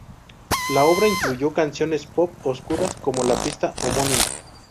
La obra incluyó canciones pop oscuras como la pista homónima.